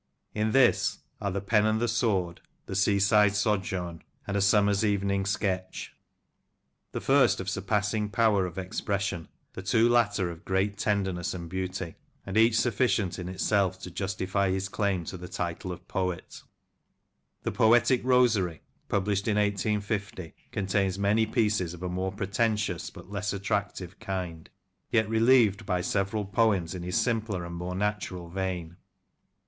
In this are "The Pen and the Sword," "The Seaside Sojourn," and " A Summer's Evening Sketch," the first of surpassing power of expression, the two latter of great tenderness and beauty, and each sufficient in itself to justify his claim to the title of poet " The Poetic Rosary," pub lished in 1850, contains many pieces of a more pretentious but less attractive kind, yet relieved by several poems in his John Criichley Prince, 3 simpler and more natural vein.